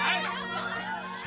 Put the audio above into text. wuih jangan lari